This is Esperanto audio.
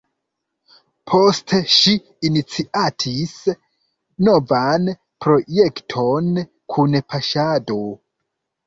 Poste ŝi iniciatis novan projekton Kunpaŝado.